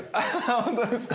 本当ですか？